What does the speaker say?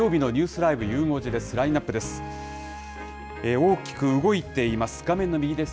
ラインナップです。